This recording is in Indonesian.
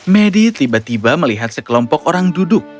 medi tiba tiba melihat sekelompok orang duduk